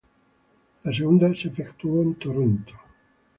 La segunda se efectuó en Toronto.